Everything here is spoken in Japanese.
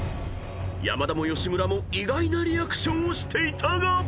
［山田も吉村も意外なリアクションをしていたが］